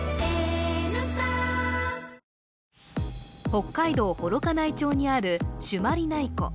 北海道幌加内町にある朱鞠内湖。